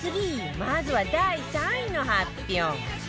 まずは第３位の発表